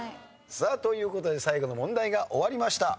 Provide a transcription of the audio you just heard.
さあという事で最後の問題が終わりました。